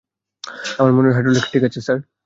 আমার মনে হয় হাইড্রোলিক্স ঠিক আছে, স্যার।